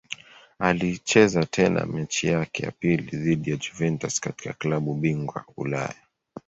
Alicheza tena mechi yake ya pili dhidi ya Juventus katika klabu bingwa Ulaya.